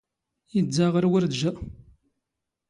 ⵉⴷⴷⴰ ⵖⵔ ⵡⵔⴷⵊⴰ.